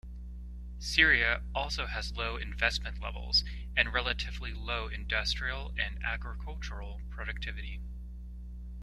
Syria also has low investment levels, and relatively low industrial and agricultural productivity.